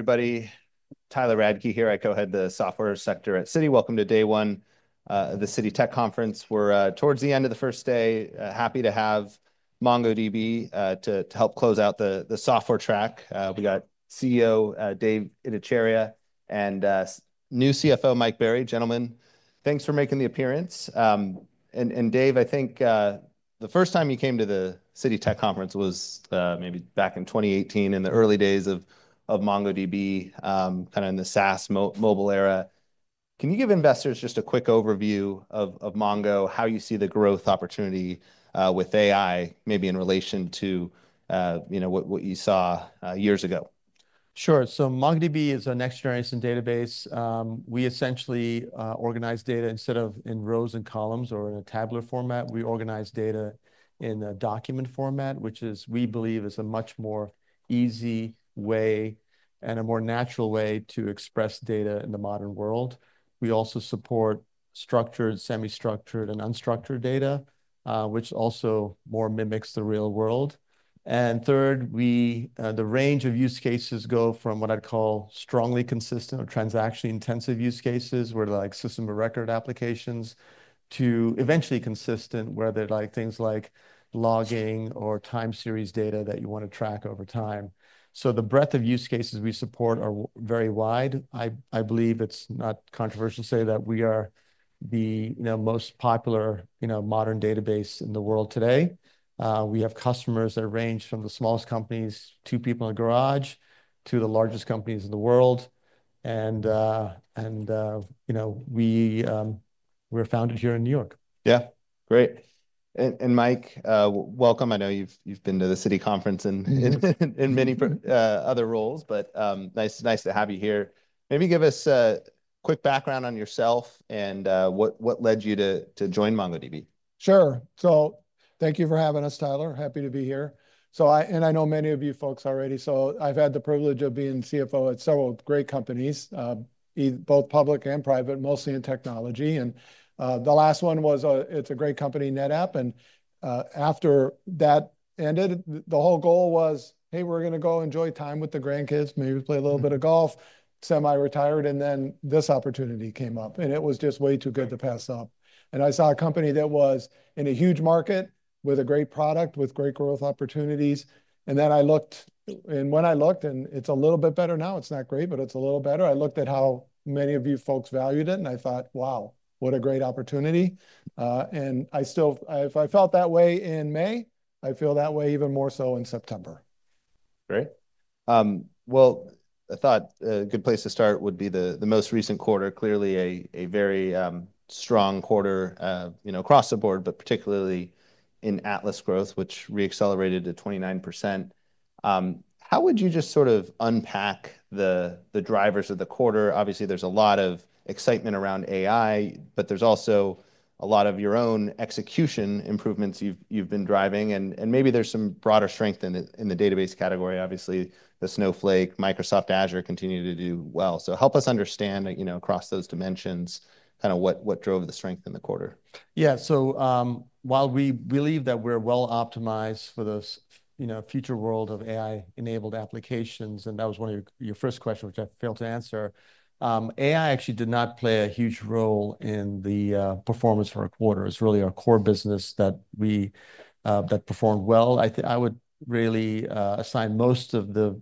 Everybody, Tyler Radke here. I Co-Head the software sector at Citi. Welcome to day one of the Citi Tech Conference. We're towards the end of the first day. Happy to have MongoDB to help close out the software track. We got CEO Dev Ittycheria, and new CFO, Mike Berry. Gentlemen, thanks for making the appearance, and Dev, I think the first time you came to the Citi Tech Conference was maybe back in 2018, in the early days of Mongo, kind of in the SaaS mobile era. Can you give investors just a quick overview of Mongo, how you see the growth opportunity with AI, maybe in relation to you know, what you saw years ago? Sure. So MongoDB is a next-generation database. We essentially organize data instead of in rows and columns or in a tabular format, we organize data in a document format, which is, we believe is a much more easy way and a more natural way to express data in the modern world. We also support structured, semi-structured, and unstructured data, which also more mimics the real world. And third, the range of use cases go from what I'd call strongly consistent or transactionally intensive use cases, where like system of record applications, to eventually consistent, where they're like things like logging or time series data that you want to track over time. So the breadth of use cases we support are very wide. I believe it's not controversial to say that we are the, you know, most popular, you know, modern database in the world today. We have customers that range from the smallest companies, two people in a garage, to the largest companies in the world, and you know, we were founded here in New York. Yeah. Great. And, Mike, welcome. I know you've been to the Citi Conference and in many prior other roles, but, nice to have you here. Maybe give us a quick background on yourself and what led you to join MongoDB? Sure. So thank you for having us, Tyler. Happy to be here. So, and I know many of you folks already, so I've had the privilege of being CFO at several great companies, both public and private, mostly in technology, and the last one was, it's a great company, NetApp, and after that ended, the whole goal was, "Hey, we're gonna go enjoy time with the grandkids, maybe play a little bit of golf." Semi-retired, and then this opportunity came up, and it was just way too good to pass up. And I saw a company that was in a huge market, with a great product, with great growth opportunities, and then I looked and when I looked, and it's a little bit better now, it's not great, but it's a little better. I looked at how many of you folks valued it, and I thought, "Wow, what a great opportunity," and I still, if I felt that way in May, I feel that way even more so in September. Great. Well, I thought a good place to start would be the most recent quarter. Clearly a very strong quarter, you know, across the board, but particularly in Atlas growth, which re-accelerated to 29%. How would you just sort of unpack the drivers of the quarter? Obviously, there's a lot of excitement around AI, but there's also a lot of your own execution improvements you've been driving, and maybe there's some broader strength in the database category. Obviously, the Snowflake, Microsoft Azure continue to do well. So help us understand, you know, across those dimensions, kind of what drove the strength in the quarter. Yeah. So, while we believe that we're well-optimized for this, you know, future world of AI-enabled applications, and that was one of your first question, which I failed to answer. AI actually did not play a huge role in the performance for our quarter. It's really our core business that we performed well. I would really assign most of the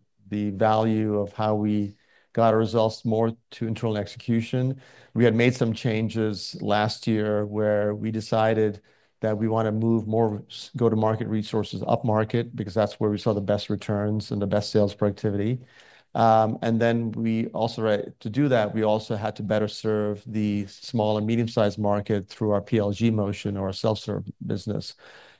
value of how we got our results more to internal execution. We had made some changes last year, where we decided that we want to move more go-to-market resources upmarket, because that's where we saw the best returns and the best sales productivity, and then to do that, we also had to better serve the small and medium-sized market through our PLG motion or our self-serve business.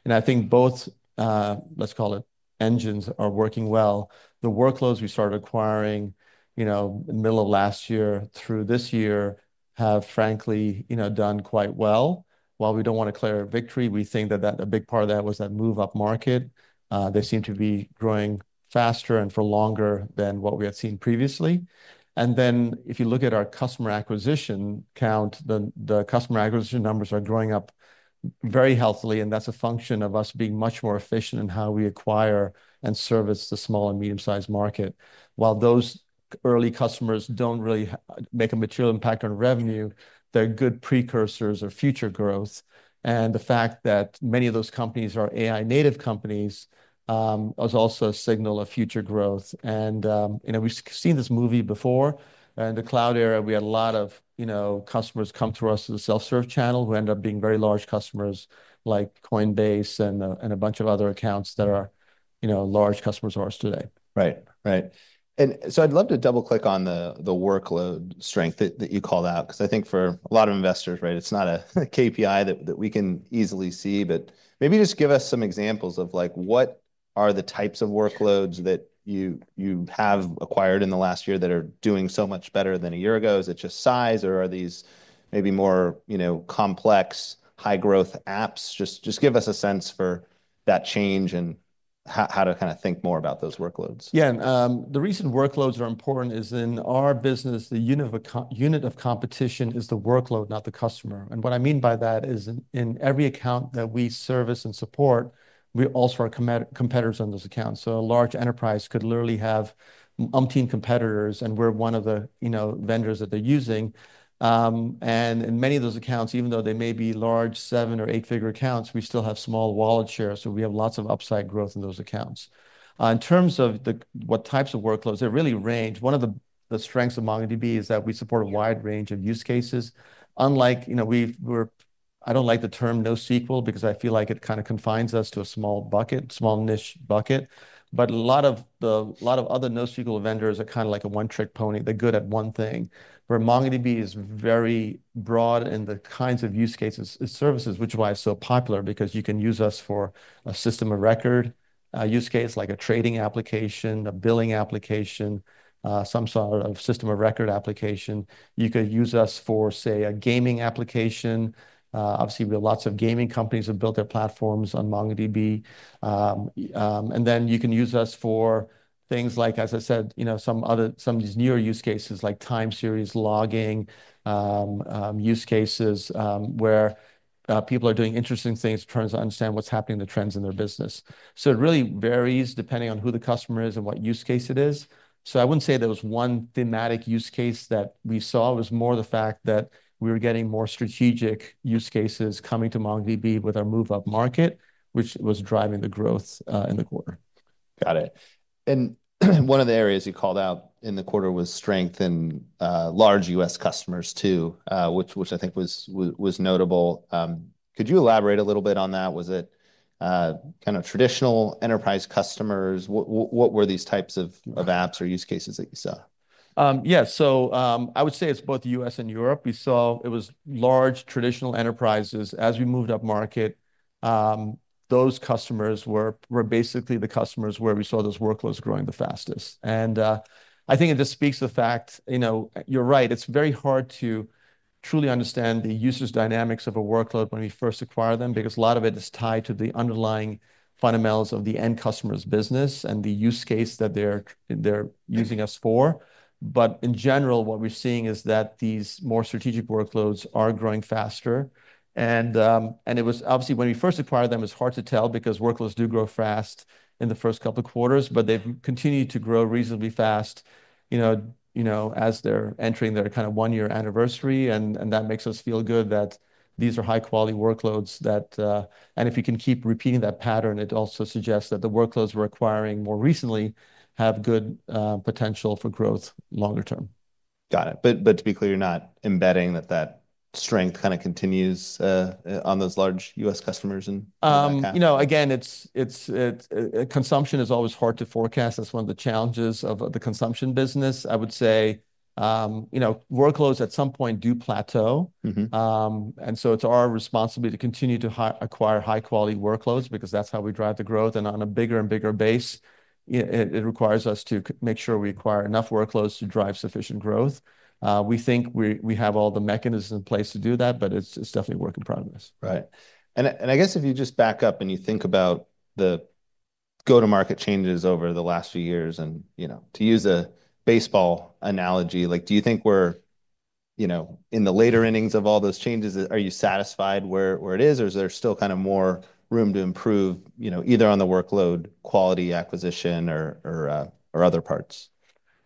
And I think both, let's call it, engines are working well. The workloads we started acquiring, you know, in the middle of last year through this year, have frankly, you know, done quite well. While we don't want to declare a victory, we think that that a big part of that was that move upmarket. They seem to be growing faster and for longer than what we had seen previously. And then, if you look at our customer acquisition count, the customer acquisition numbers are growing very healthily, and that's a function of us being much more efficient in how we acquire and service the small and medium-sized market. While those early customers don't really make a material impact on revenue, they're good precursors of future growth, and the fact that many of those companies are AI-native companies is also a signal of future growth, and you know, we've seen this movie before. In the cloud era, we had a lot of, you know, customers come to us through the self-serve channel who end up being very large customers, like Coinbase and a bunch of other accounts that are, you know, large customers of ours today. Right. And so I'd love to double-click on the workload strength that you called out, 'cause I think for a lot of investors, right, it's not a KPI that we can easily see. But maybe just give us some examples of, like, what are the types of workloads that you have acquired in the last year that are doing so much better than a year ago? Is it just size, or are these maybe more, you know, complex, high-growth apps? Just give us a sense for that change and how to kind of think more about those workloads? Yeah, and, the reason workloads are important is in our business, the unit of competition is the workload, not the customer. And what I mean by that is in every account that we service and support, we're also our competitors on those accounts. So a large enterprise could literally have umpteen competitors, and we're one of the, you know, vendors that they're using. And in many of those accounts, even though they may be large, seven- or eight-figure accounts, we still have small wallet share, so we have lots of upside growth in those accounts. In terms of what types of workloads, they really range. One of the strengths of MongoDB is that we support a wide range of use cases. Unlike, you know, we've, we're... I don't like the term NoSQL, because I feel like it kind of confines us to a small bucket, small niche bucket. But a lot of other NoSQL vendors are kind of like a one-trick pony. They're good at one thing, where MongoDB is very broad in the kinds of use cases it services, which is why it's so popular, because you can use us for a system of record, a use case, like a trading application, a billing application, some sort of system of record application. You could use us for, say, a gaming application. Obviously, we have lots of gaming companies have built their platforms on MongoDB. And then you can use us for things like, as I said, you know, some other, some of these newer use cases, like time series logging, use cases, where people are doing interesting things to try to understand what's happening in the trends in their business. So it really varies depending on who the customer is and what use case it is. So I wouldn't say there was one thematic use case that we saw. It was more the fact that we were getting more strategic use cases coming to MongoDB with our move-up market, which was driving the growth in the quarter. Got it. And one of the areas you called out in the quarter was strength in large U.S. customers, too, which I think was notable. Could you elaborate a little bit on that? Was it kind of traditional enterprise customers? What were these types of apps or use cases that you saw? Yeah. So, I would say it's both the U.S. and Europe. We saw it was large, traditional enterprises. As we moved up market, those customers were basically the customers where we saw those workloads growing the fastest. And, I think it just speaks to the fact, you know, you're right, it's very hard to truly understand the users' dynamics of a workload when we first acquire them, because a lot of it is tied to the underlying fundamentals of the end customer's business and the use case that they're using us for. But in general, what we're seeing is that these more strategic workloads are growing faster. It was obviously when we first acquired them. It's hard to tell because workloads do grow fast in the first couple of quarters, but they've continued to grow reasonably fast, you know, you know, as they're entering their kind of one-year anniversary. And that makes us feel good that these are high-quality workloads that if you can keep repeating that pattern, it also suggests that the workloads we're acquiring more recently have good potential for growth longer term. Got it. But to be clear, you're not embedding that strength kind of continues on those large U.S. customers in that count? You know, again, consumption is always hard to forecast. That's one of the challenges of the consumption business. I would say, you know, workloads at some point do plateau. And so it's our responsibility to continue to acquire high-quality workloads because that's how we drive the growth. And on a bigger and bigger base, it requires us to make sure we acquire enough workloads to drive sufficient growth. We think we have all the mechanisms in place to do that, but it's definitely a work in progress. Right. And I guess if you just back up and you think about the go-to-market changes over the last few years and, you know, to use a baseball analogy, like, do you think we're, you know, in the later innings of all those changes? Are you satisfied where it is, or is there still kind of more room to improve, you know, either on the workload, quality, acquisition, or other parts?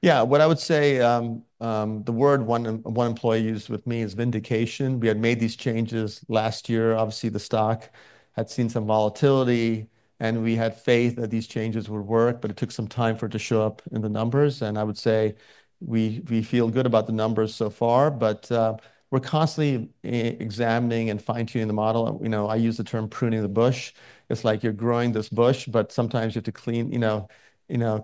Yeah. What I would say, the word one employee used with me is vindication. We had made these changes last year. Obviously, the stock had seen some volatility, and we had faith that these changes would work, but it took some time for it to show up in the numbers. And I would say we feel good about the numbers so far, but we're constantly examining and fine-tuning the model. You know, I use the term pruning the bush. It's like you're growing this bush, but sometimes you have to clean, you know,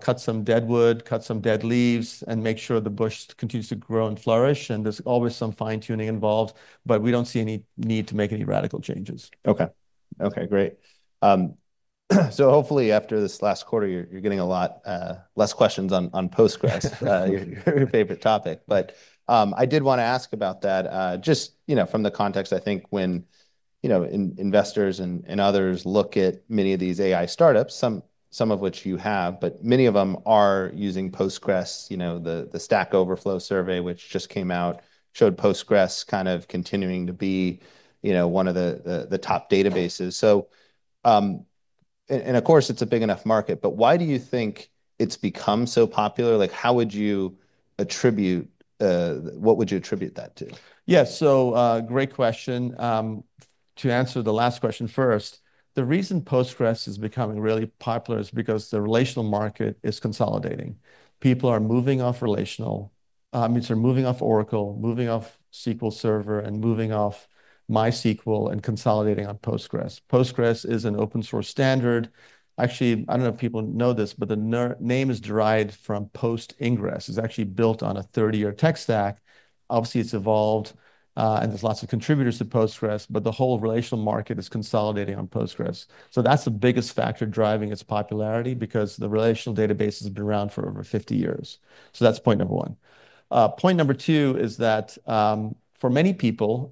cut some deadwood, cut some dead leaves, and make sure the bush continues to grow and flourish. And there's always some fine-tuning involved, but we don't see any need to make any radical changes. Okay. Okay, great. So hopefully after this last quarter, you're getting a lot less questions on Postgres, your favorite topic. But I did want to ask about that. Just, you know, from the context, I think when you know, investors and others look at many of these AI startups, some of which you have, but many of them are using Postgres. You know, the Stack Overflow survey, which just came out, showed Postgres kind of continuing to be, you know, one of the top databases. So, and of course, it's a big enough market, but why do you think it's become so popular? Like, how would you attribute, what would you attribute that to? Yeah. Great question. To answer the last question first, the reason Postgres is becoming really popular is because the relational market is consolidating. People are moving off relational means they're moving off Oracle, moving off SQL Server, and moving off MySQL, and consolidating on Postgres. Postgres is an open-source standard. Actually, I don't know if people know this, but the name is derived from Post-Ingres. It's actually built on a 30-year tech stack. Obviously, it's evolved, and there's lots of contributors to Postgres, but the whole relational market is consolidating on Postgres. That's the biggest factor driving its popularity, because the relational database has been around for over 50 years. That's point number one. Point number two is that, for many people,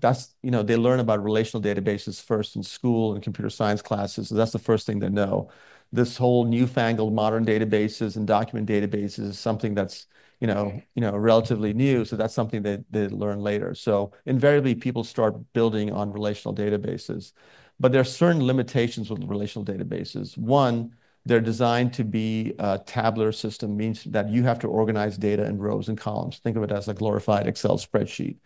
that's, you know, they learn about relational databases first in school, in computer science classes, so that's the first thing they know. This whole newfangled modern databases and document databases is something that's, you know, relatively new, so that's something they learn later. So invariably, people start building on relational databases. But there are certain limitations with relational databases. One, they're designed to be a tabular system, means that you have to organize data in rows and columns. Think of it as a glorified Excel spreadsheet.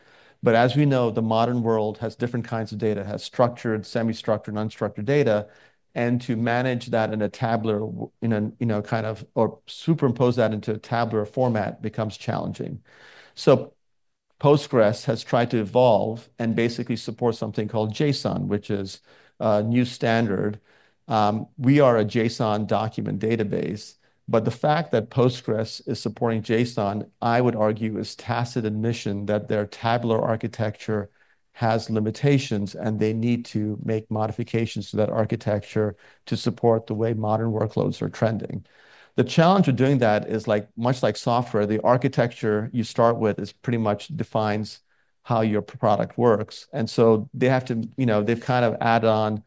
But as we know, the modern world has different kinds of data. It has structured, semi-structured, and unstructured data, and to manage that in a tabular, you know, or superimpose that into a tabular format becomes challenging. Postgres has tried to evolve and basically support something called JSON, which is a new standard. We are a JSON document database, but the fact that Postgres is supporting JSON, I would argue, is tacit admission that their tabular architecture has limitations, and they need to make modifications to that architecture to support the way modern workloads are trending. The challenge with doing that is, like, much like software, the architecture you start with is pretty much defines how your product works, and so they have to, you know, they've kind of add on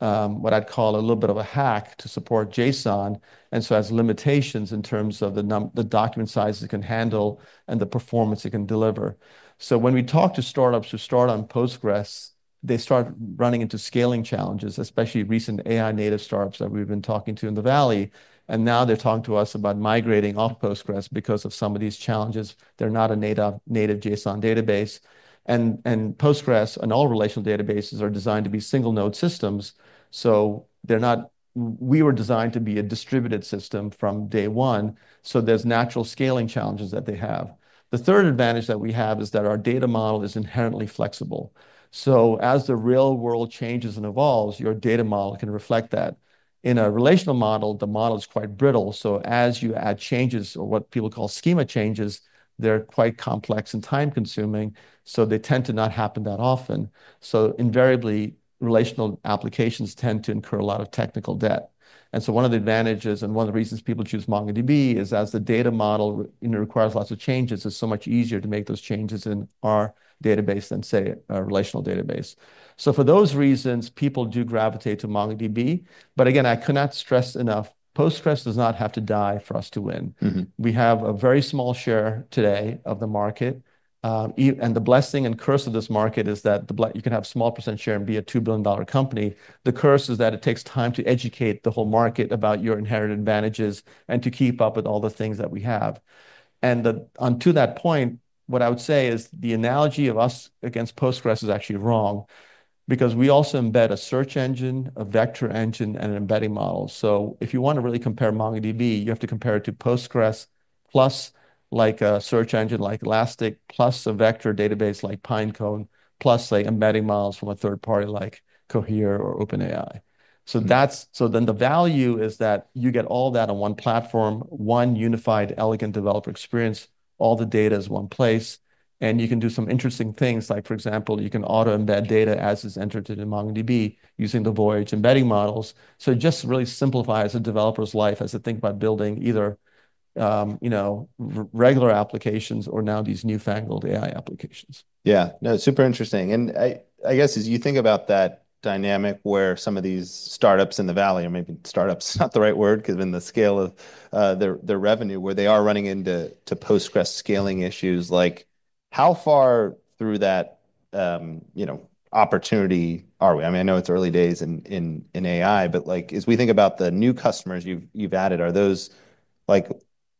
what I'd call a little bit of a hack to support JSON, and so has limitations in terms of the document sizes it can handle and the performance it can deliver. So when we talk to startups who start on Postgres, they start running into scaling challenges, especially recent AI-native startups that we've been talking to in the Valley, and now they're talking to us about migrating off Postgres because of some of these challenges. They're not a native JSON database. And Postgres and all relational databases are designed to be single-node systems, so they're not. We were designed to be a distributed system from day one, so there's natural scaling challenges that they have. The third advantage that we have is that our data model is inherently flexible. So as the real world changes and evolves, your data model can reflect that. In a relational model, the model is quite brittle, so as you add changes, or what people call schema changes, they're quite complex and time-consuming, so they tend to not happen that often. So invariably, relational applications tend to incur a lot of technical debt. And so one of the advantages and one of the reasons people choose MongoDB is, as the data model, you know, requires lots of changes, it's so much easier to make those changes in our database than, say, a relational database. So for those reasons, people do gravitate to MongoDB. But again, I cannot stress enough, Postgres does not have to die for us to win. We have a very small share today of the market, and the blessing and curse of this market is that you can have a small % share and be a $2 billion company. The curse is that it takes time to educate the whole market about your inherent advantages and to keep up with all the things that we have. To that point, what I would say is the analogy of us against Postgres is actually wrong, because we also embed a search engine, a vector engine, and an embedding model. If you want to really compare MongoDB, you have to compare it to Postgres plus, like, a search engine, like Elastic, plus a vector database like Pinecone, plus, say, embedding models from a third party like Cohere or OpenAI. So then the value is that you get all that on one platform, one unified, elegant developer experience. All the data is one place, and you can do some interesting things, like, for example, you can auto-embed data as it's entered into MongoDB using the Voyage embedding models. So it just really simplifies a developer's life as they think about building either, you know, regular applications or now these newfangled AI applications. Yeah. No, super interesting, and I, I guess as you think about that dynamic where some of these startups in the Valley, or maybe startups is not the right word, 'cause in the scale of their revenue, where they are running into Postgres scaling issues, like, how far through that, you know, opportunity are we? I mean, I know it's early days in AI, but, like, as we think about the new customers you've added, are those, like,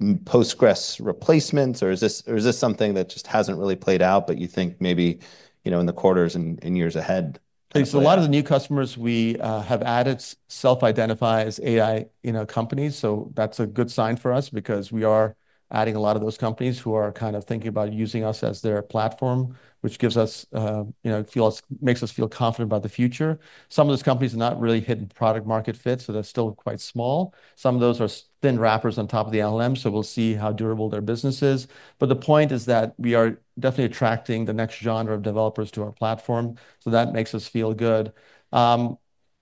Postgres replacements, or is this something that just hasn't really played out, but you think maybe, you know, in the quarters and years ahead? So a lot of the new customers we have added self-identify as AI, you know, companies, so that's a good sign for us because we are adding a lot of those companies who are kind of thinking about using us as their platform, which gives us, you know, makes us feel confident about the future. Some of those companies are not really hitting product-market fit, so they're still quite small. Some of those are thin wrappers on top of the LLM, so we'll see how durable their business is. But the point is that we are definitely attracting the next-gen of developers to our platform, so that makes us feel good.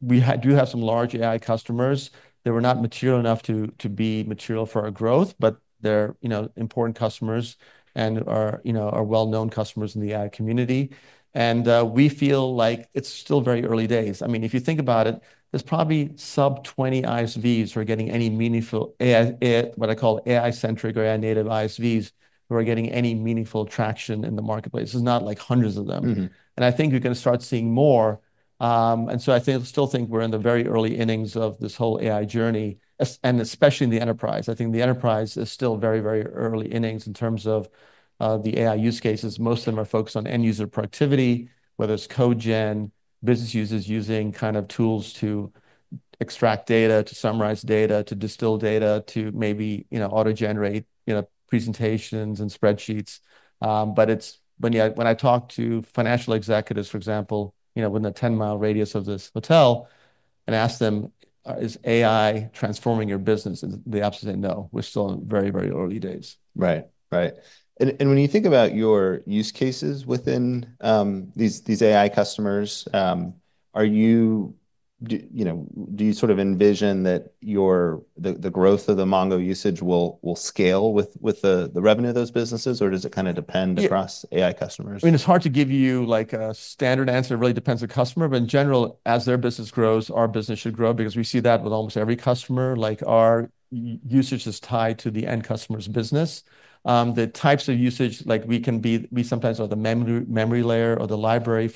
We do have some large AI customers. They were not material enough to be material for our growth, but they're, you know, important customers and are, you know, well-known customers in the AI community. We feel like it's still very early days. I mean, if you think about it, there's probably sub-twenty ISVs who are getting any meaningful AI what I call AI-centric or AI-native ISVs, who are getting any meaningful traction in the marketplace. This is not like hundreds of them. And I think you're gonna start seeing more, and so still think we're in the very early innings of this whole AI journey, and especially in the enterprise. I think the enterprise is still very, very early innings in terms of the AI use cases, most of them are focused on end-user productivity, whether it's code gen, business users using kind of tools to extract data, to summarize data, to distill data, to maybe, you know, auto-generate, you know, presentations and spreadsheets. But when I talk to financial executives, for example, you know, within a ten-mile radius of this hotel, and ask them, "Is AI transforming your business?" They absolutely say, "No." We're still in very, very early days. Right. Right. And when you think about your use cases within these AI customers, do you know, do you sort of envision that the growth of the Mongo usage will scale with the revenue of those businesses? Or does it kind of depend across AI customers? I mean, it's hard to give you, like, a standard answer. It really depends on the customer. But in general, as their business grows, our business should grow because we see that with almost every customer. Like, our usage is tied to the end customer's business. The types of usage, like, we sometimes are the memory layer or the library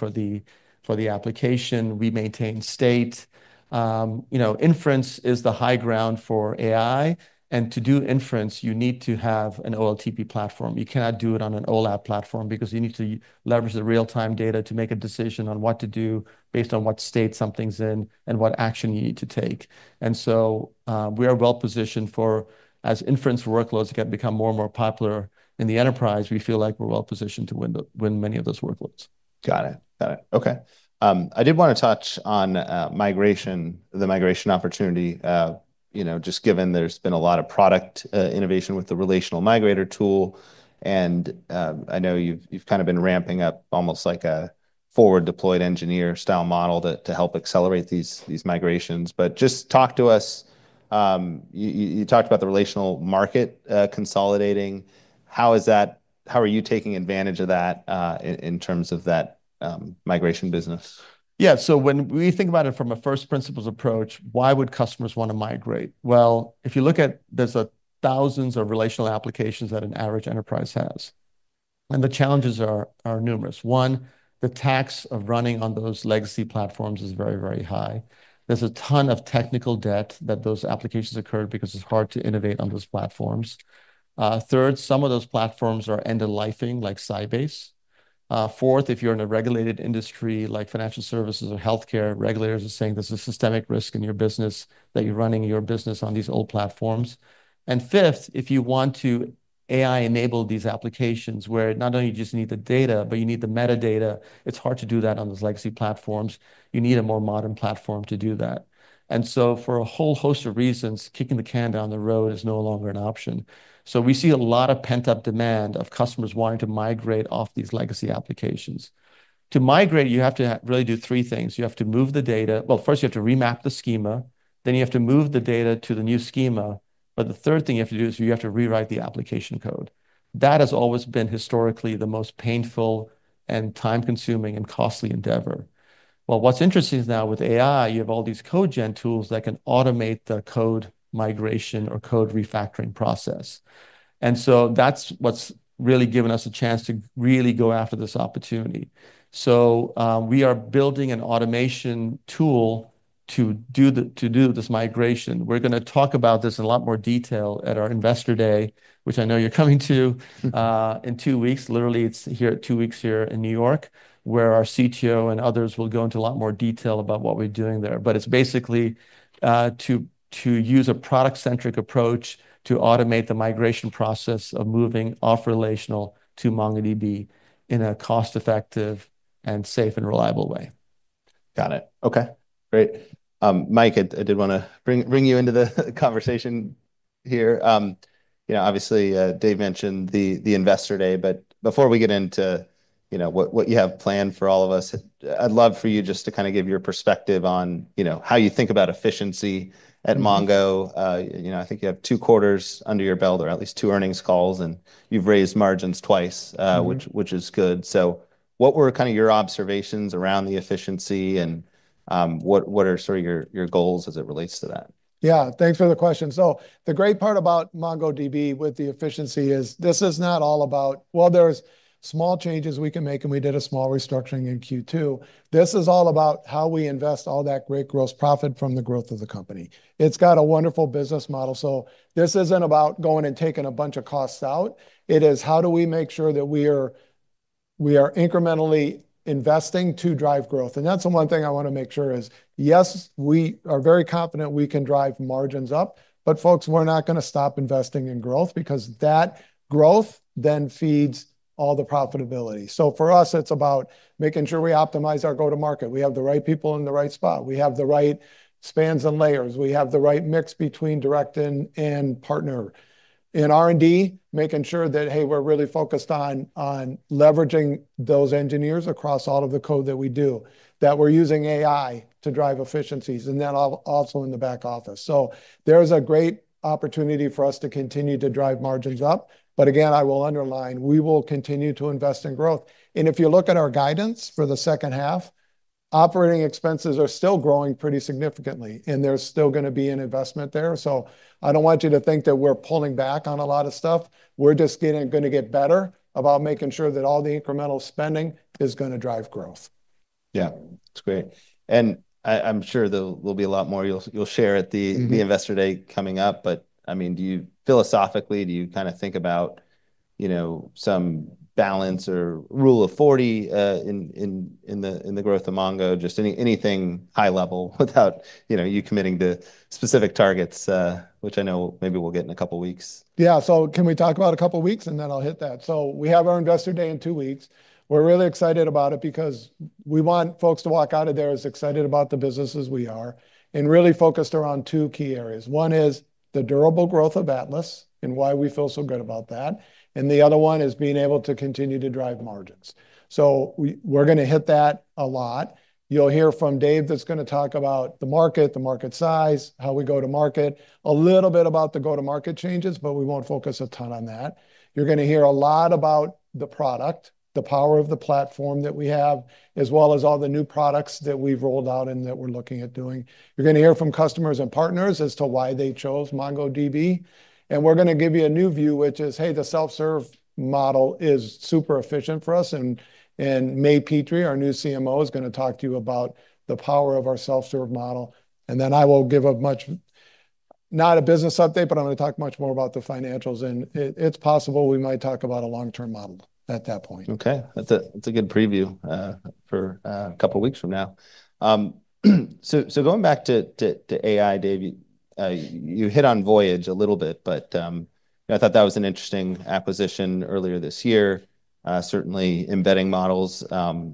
for the application. We maintain state. You know, inference is the high ground for AI, and to do inference, you need to have an OLTP platform. You cannot do it on an OLAP platform because you need to leverage the real-time data to make a decision on what to do based on what state something's in and what action you need to take. We are well-positioned for as inference workloads become more and more popular in the enterprise. We feel like we're well-positioned to win many of those workloads. Got it. Got it. Okay, I did want to touch on migration, the migration opportunity, you know, just given there's been a lot of product innovation with the Relational Migrator tool, and I know you've kind of been ramping up almost like a forward-deployed engineer-style model to help accelerate these migrations. But just talk to us, you talked about the relational market consolidating. How is that? How are you taking advantage of that in terms of that migration business? Yeah. So when we think about it from a first principles approach, why would customers want to migrate? Well, if you look at, there's thousands of relational applications that an average enterprise has, and the challenges are numerous. One, the tax of running on those legacy platforms is very, very high. There's a ton of technical debt that those applications incurred because it's hard to innovate on those platforms. Third, some of those platforms are end-of-lifing, like Sybase. Fourth, if you're in a regulated industry, like financial services or healthcare, regulators are saying there's a systemic risk in your business, that you're running your business on these old platforms. And fifth, if you want to AI-enable these applications, where not only you just need the data, but you need the metadata, it's hard to do that on those legacy platforms. You need a more modern platform to do that, and so, for a whole host of reasons, kicking the can down the road is no longer an option, so we see a lot of pent-up demand of customers wanting to migrate off these legacy applications. To migrate, you have to really do three things. You have to move the data well, first, you have to remap the schema, then you have to move the data to the new schema, but the third thing you have to do is you have to rewrite the application code. That has always been historically the most painful and time-consuming and costly endeavor, well, what's interesting is now with AI, you have all these code gen tools that can automate the code migration or code refactoring process, and so that's what's really given us a chance to really go after this opportunity. So, we are building an automation tool to do this migration. We're gonna talk about this in a lot more detail at our Investor Day, which I know you're coming to, in two weeks. Literally, it's here, two weeks here in New York, where our CTO and others will go into a lot more detail about what we're doing there. But it's basically, to use a product-centric approach to automate the migration process of moving off relational to MongoDB in a cost-effective and safe and reliable way. Got it. Okay, great. Mike, I did want to bring you into the conversation here. You know, obviously, Dev mentioned the Investor Day, but before we get into, you know, what you have planned for all of us, I'd love for you just to kind of give your perspective on, you know, how you think about efficiency at Mongo. You know, I think you have two quarters under your belt, or at least two earnings calls, and you've raised margins twice which is good. So what were kind of your observations around the efficiency, and what are sort of your goals as it relates to that? Yeah, thanks for the question. The great part about MongoDB with the efficiency is this is not all about... Well, there's small changes we can make, and we did a small restructuring in Q2. This is all about how we invest all that great gross profit from the growth of the company. It's got a wonderful business model. This isn't about going and taking a bunch of costs out, it is, how do we make sure that we are incrementally investing to drive growth? That's the one thing I want to make sure is, yes, we are very confident we can drive margins up, but folks, we're not gonna stop investing in growth because that growth then feeds all the profitability. For us, it's about making sure we optimize our go-to-market. We have the right people in the right spot. We have the right spans and layers. We have the right mix between direct and partner. In R&D, making sure that, hey, we're really focused on leveraging those engineers across all of the code that we do, that we're using AI to drive efficiencies, and then also in the back office. So there is a great opportunity for us to continue to drive margins up. But again, I will underline, we will continue to invest in growth. And if you look at our guidance for the second half, operating expenses are still growing pretty significantly, and there's still gonna be an investment there. So I don't want you to think that we're pulling back on a lot of stuff. We're just gonna get better about making sure that all the incremental spending is gonna drive growth. Yeah, that's great. And I'm sure there'll be a lot more you'll share at the the Investor Day coming up. But, I mean, do you philosophically, do you kinda think about, you know, some balance or Rule of 40 in the growth of Mongo? Just anything high level without, you know, you committing to specific targets, which I know maybe we'll get in a couple weeks. Yeah. So can we talk about a couple of weeks, and then I'll hit that? So we have our Investor Day in two weeks. We're really excited about it because we want folks to walk out of there as excited about the business as we are, and really focused around two key areas. One is the durable growth of Atlas and why we feel so good about that, and the other one is being able to continue to drive margins. So we're gonna hit that a lot. You'll hear from Dev, that's gonna talk about the market, the market size, how we go to market, a little bit about the go-to-market changes, but we won't focus a ton on that. You're gonna hear a lot about the product, the power of the platform that we have, as well as all the new products that we've rolled out and that we're looking at doing. You're gonna hear from customers and partners as to why they chose MongoDB, and we're gonna give you a new view, which is, hey, the self-serve model is super efficient for us. And May Petry, our new CMO, is gonna talk to you about the power of our self-serve model, and then I will give a much... Not a business update, but I'm gonna talk much more about the financials, and it's possible we might talk about a long-term model at that point. Okay. That's a good preview for a couple of weeks from now. So going back to AI, Dev, you hit on Voyage a little bit, but I thought that was an interesting acquisition earlier this year. Certainly, embedding models,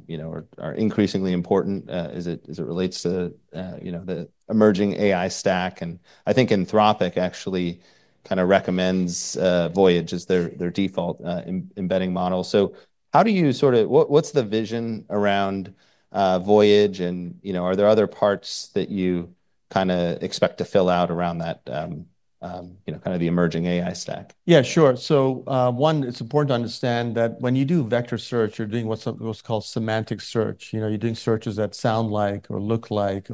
you know, are increasingly important as it relates to, you know, the emerging AI stack. And I think Anthropic actually kinda recommends Voyage as their default embedding model. So how do you sorta. What's the vision around Voyage? And, you know, are there other parts that you kinda expect to fill out around that, you know, kinda the emerging AI stack? Yeah, sure. So, one, it's important to understand that when you do vector search, you're doing what's called semantic search. You know, you're doing searches that sound like, or look like,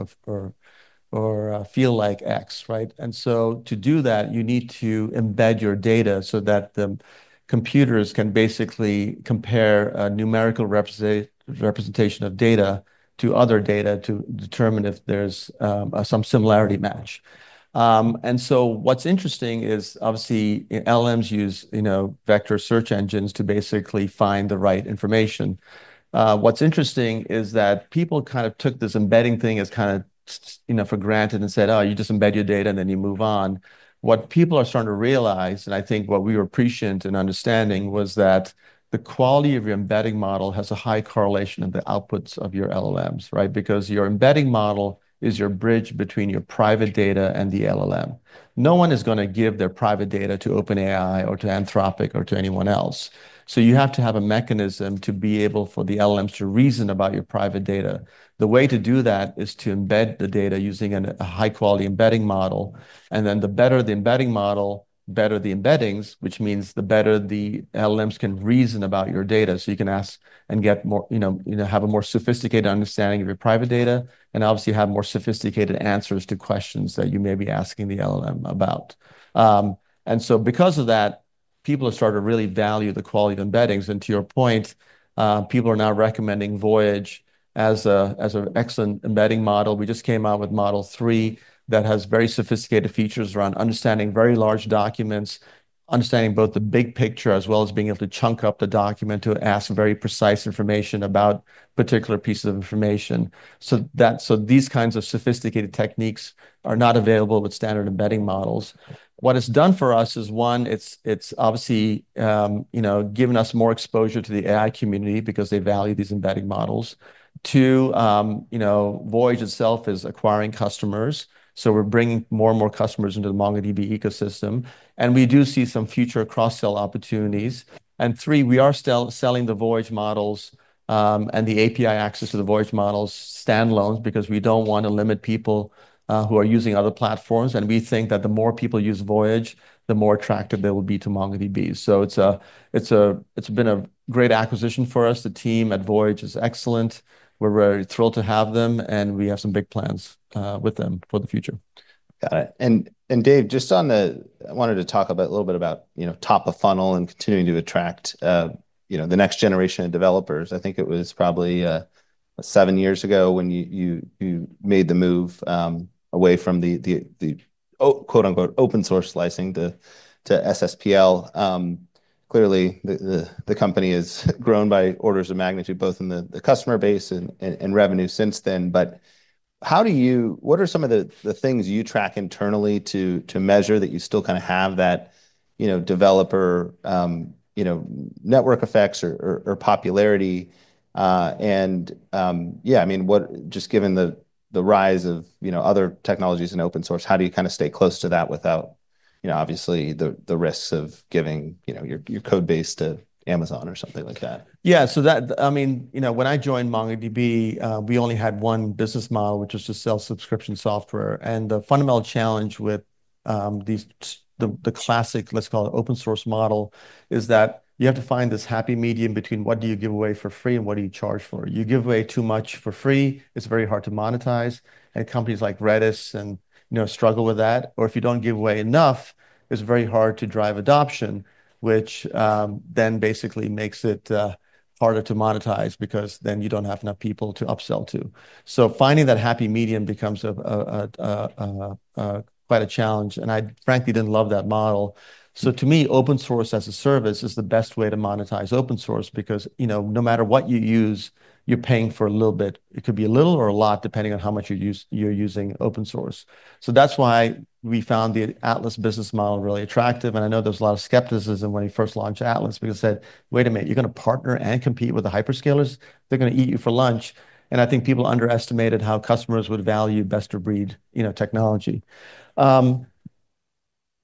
or feel like X, right? And so to do that, you need to embed your data so that the computers can basically compare a numerical representation of data to other data to determine if there's some similarity match. And so what's interesting is, obviously, LLMs use, you know, vector search engines to basically find the right information. What's interesting is that people kind of took this embedding thing as kind of, you know, for granted and said, "Oh, you just embed your data, and then you move on." What people are starting to realize, and I think what we were prescient in understanding, was that the quality of your embedding model has a high correlation of the outputs of your LLMs, right? Because your embedding model is your bridge between your private data and the LLM. No one is gonna give their private data to OpenAI, or to Anthropic, or to anyone else. So you have to have a mechanism to be able for the LLMs to reason about your private data. The way to do that is to embed the data using a high-quality embedding model, and then the better the embedding model, better the embeddings, which means the better the LLMs can reason about your data, so you can ask and get more. You know, have a more sophisticated understanding of your private data, and obviously, have more sophisticated answers to questions that you may be asking the LLM about, and so because of that, people have started to really value the quality of embeddings, and to your point, people are now recommending Voyage as an excellent embedding model. We just came out with Model 3 that has very sophisticated features around understanding very large documents, understanding both the big picture, as well as being able to chunk up the document to ask very precise information about particular pieces of information. So these kinds of sophisticated techniques are not available with standard embedding models. What it's done for us is, one, it's obviously, you know, given us more exposure to the AI community because they value these embedding models. Two, you know, Voyage itself is acquiring customers, so we're bringing more and more customers into the MongoDB ecosystem, and we do see some future cross-sell opportunities. And three, we are selling the Voyage models, and the API access to the Voyage models stand-alone because we don't want to limit people who are using other platforms, and we think that the more people use Voyage, the more attractive they will be to MongoDB. So it's been a great acquisition for us. The team at Voyage is excellent. We're very thrilled to have them, and we have some big plans with them for the future. Got it. And Dev, I wanted to talk about a little bit about, you know, top of funnel and continuing to attract, you know, the next generation of developers. I think it was probably seven years ago when you made the move away from the quote, unquote, "open source licensing" to SSPL. Clearly, the company has grown by orders of magnitude, both in the customer base and revenue since then. But how do you, what are some of the things you track internally to measure that you still kind of have that, you know, developer, you know, network effects or popularity? I mean, just given the rise of, you know, other technologies in open source, how do you kind of stay close to that without, you know, obviously, the risks of giving, you know, your code base to Amazon or something like that? Yeah. I mean, you know, when I joined MongoDB, we only had one business model, which was to sell subscription software. And the fundamental challenge with these, the classic, let's call it open source model, is that you have to find this happy medium between what do you give away for free and what do you charge for. You give away too much for free, it's very hard to monetize, and companies like Redis and, you know, struggle with that. Or if you don't give away enough, it's very hard to drive adoption, which then basically makes it harder to monetize because then you don't have enough people to upsell to. So finding that happy medium becomes quite a challenge, and I frankly didn't love that model. So to me, open source as a service is the best way to monetize open source because, you know, no matter what you use, you're paying for a little bit. It could be a little or a lot, depending on how much you're using open source. So that's why we found the Atlas business model really attractive, and I know there was a lot of skepticism when we first launched Atlas. People said, "Wait a minute, you're going to partner and compete with the hyperscalers? They're going to eat you for lunch." And I think people underestimated how customers would value best-of-breed, you know, technology.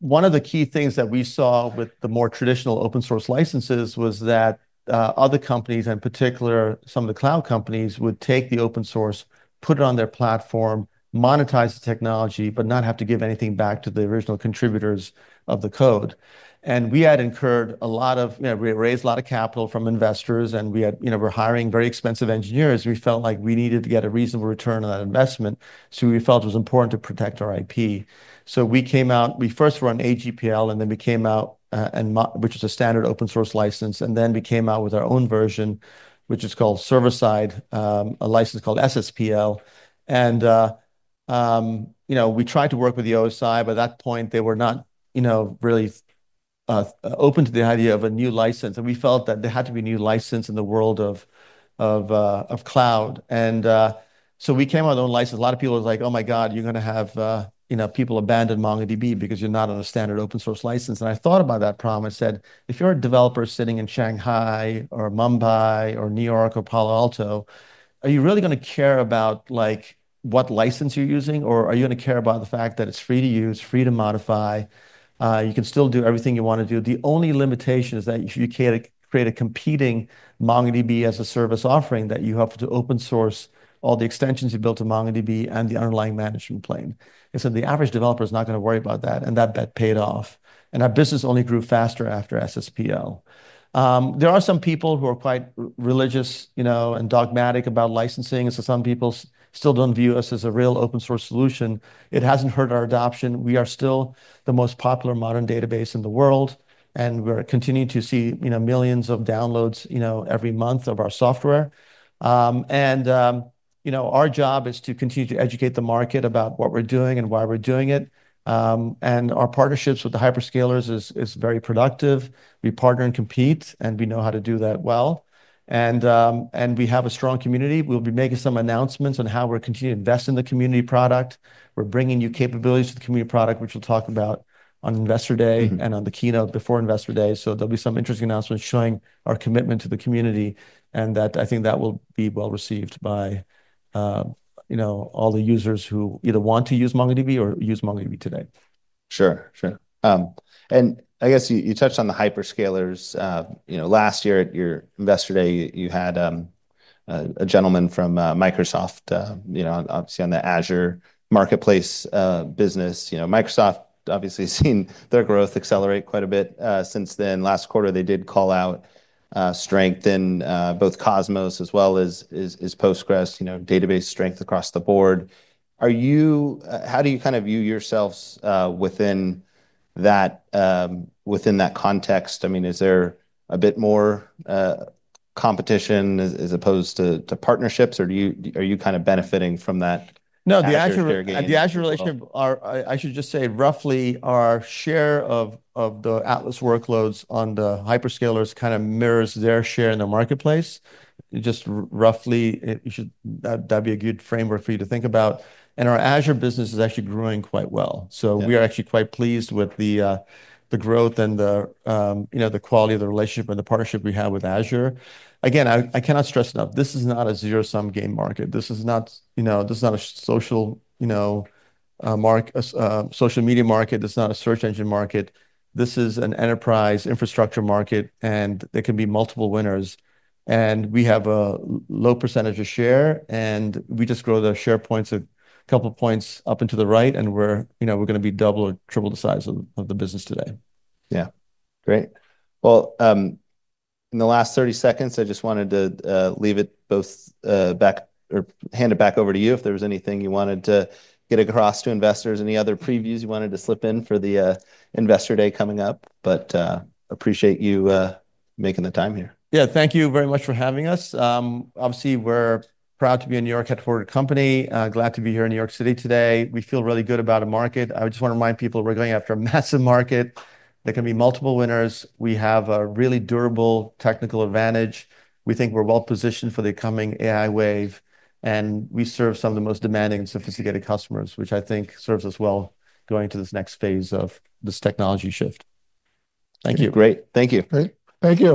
One of the key things that we saw with the more traditional open source licenses was that other companies, in particular some of the cloud companies, would take the open source, put it on their platform, monetize the technology, but not have to give anything back to the original contributors of the code. And we had incurred a lot of you know, we raised a lot of capital from investors, and we had you know, we're hiring very expensive engineers. We felt like we needed to get a reasonable return on that investment, so we felt it was important to protect our IP. So we first were on AGPL, which is a standard open source license, and then we came out with our own version, which is called Server Side, a license called SSPL. You know, we tried to work with the OSI, but at that point, they were not, you know, really open to the idea of a new license, and we felt that there had to be a new license in the world of cloud. So we came out with our own license. A lot of people was like, "Oh, my God, you're going to have, you know, people abandon MongoDB because you're not on a standard open source license." I thought about that problem. I said, "If you're a developer sitting in Shanghai or Mumbai or New York or Palo Alto, are you really going to care about, like, what license you're using? Or are you going to care about the fact that it's free to use, free to modify? You can still do everything you want to do. The only limitation is that if you create a competing MongoDB as a service offering, that you have to open source all the extensions you built to MongoDB and the underlying management plane." I said, "The average developer is not going to worry about that," and that bet paid off, and our business only grew faster after SSPL. There are some people who are quite religious, you know, and dogmatic about licensing, and so some people still don't view us as a real open source solution. It hasn't hurt our adoption. We are still the most popular modern database in the world, and we're continuing to see, you know, millions of downloads, you know, every month of our software. You know, our job is to continue to educate the market about what we're doing and why we're doing it. Our partnerships with the hyperscalers is very productive. We partner and compete, and we know how to do that well. And we have a strong community. We'll be making some announcements on how we're continuing to invest in the community product. We're bringing new capabilities to the community product, which we'll talk about on Investor Day. And on the keynote before Investor Day. So there'll be some interesting announcements showing our commitment to the community, and that, I think that will be well received by, you know, all the users who either want to use MongoDB or use MongoDB today. Sure, sure, and I guess you touched on the hyperscalers. You know, last year at your Investor Day, you had a gentleman from Microsoft, you know, obviously on the Azure Marketplace business. You know, Microsoft obviously has seen their growth accelerate quite a bit, since then. Last quarter they did call out strength in both Cosmos as well as Postgres, you know, database strength across the board. How do you kind of view yourselves within that context? I mean, is there a bit more competition as opposed to partnerships, or are you kind of benefiting from that Azure fair game as well? The Azure relationship are. I should just say, roughly, our share of the Atlas workloads on the hyperscalers kind of mirrors their share in the marketplace. Just roughly, it should... That'd be a good framework for you to think about. And our Azure business is actually growing quite well. Yeah. So we are actually quite pleased with the growth and the, you know, the quality of the relationship and the partnership we have with Azure. Again, I cannot stress enough, this is not a zero-sum game market. This is not, you know, this is not a social, you know, social media market. This is not a search engine market. This is an enterprise infrastructure market, and there can be multiple winners. And we have a low percentage of share, and we just grow the share points a couple of points up and to the right, and we're, you know, going to be double or triple the size of the business today. Yeah. Great. Well, in the last thirty seconds, I just wanted to hand it back over to you, if there was anything you wanted to get across to investors, any other previews you wanted to slip in for the Investor Day coming up, but appreciate you making the time here. Yeah. Thank you very much for having us. Obviously, we're proud to be a New York headquartered company. Glad to be here in New York City today. We feel really good about the market. I just want to remind people, we're going after a massive market. There can be multiple winners. We have a really durable technical advantage. We think we're well positioned for the coming AI wave, and we serve some of the most demanding and sophisticated customers, which I think serves us well going to this next phase of this technology shift. Thank you. Great. Thank you. Great. Thank you.